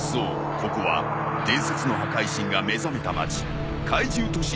ここは伝説の破壊神が目覚めた街怪獣都市